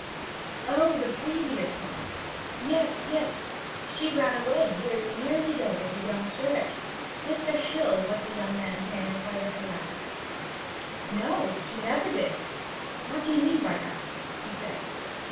'Oh, the previous one! Yes, yes. She ran away years and years ago with the young curate. Mr. Hill was the young man's name, if I recollect.' 'No! She never did. What do you mean by that?' he said.